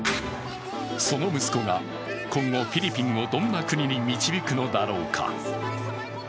その息子が今後、フィリピンをどんな国に導くのだろうか。